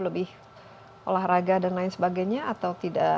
lebih olahraga dan lain sebagainya atau tidak